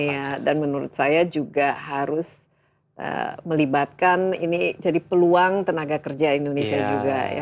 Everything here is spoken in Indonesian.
iya dan menurut saya juga harus melibatkan ini jadi peluang tenaga kerja indonesia juga ya